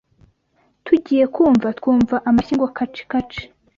Tugiye kumva twumva amashyi ngo kaci kaci